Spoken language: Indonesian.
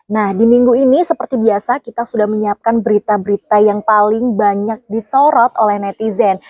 nah di minggu ini seperti biasa kita sudah menyiapkan berita berita yang paling banyak disorot oleh netizen